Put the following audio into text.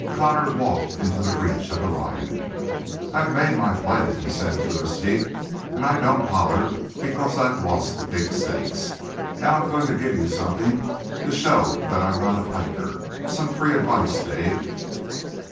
Connor walked into the reach of the lion. "I've made my play," he said through his teeth, "and I don't holler because I've lost the big stakes. Now I'm going to give you something to show that I'm not a piker some free advice, Dave!"